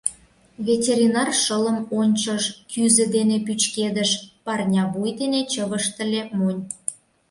Ветеринар шылым ончыш, кӱзӧ дене пӱчкедыш, парня вуй дене чывыштыле, монь.